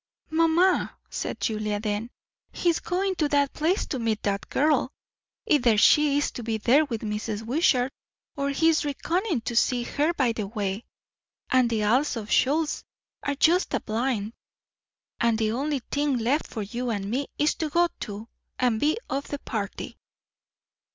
"Mamma," said Julia then, "he's going to that place to meet that girl. Either she is to be there with Mrs. Wishart, or he is reckoning to see her by the way; and the Isles of Shoals are just a blind. And the only thing left for you and me is to go too, and be of the party!"